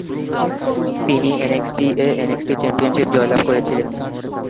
তিনি এনএক্সটি-এ NXT championship জয়লাভ করেছিলেন।